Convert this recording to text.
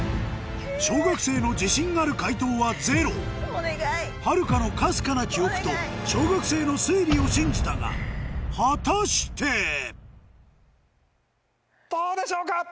小学生の自信ある解答はゼロはるかのかすかな記憶と小学生の推理を信じたが果たして⁉どうでしょうか？